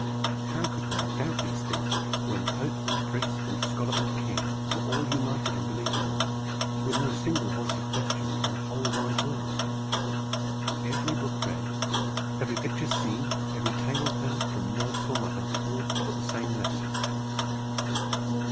How could one doubt these things, when Pope and priest and scholar and King were all united in believing them, with no single voice of question in the whole wide world? Every book read, every picture seen, every tale heard from nurse or mother, all taught the same lesson.